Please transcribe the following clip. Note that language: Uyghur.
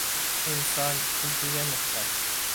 ئىنسان كۈلكىگە موھتاج.